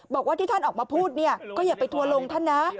บอกว่าที่ท่านออกมาพูดเนี่ยก็อย่าไปทัวร์ลงท่านนะ